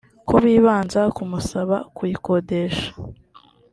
ko bibanza kumusaba kuyikodesha